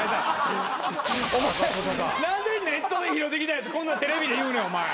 お前何でネットで拾ってきたやつこんなテレビで言うねんお前。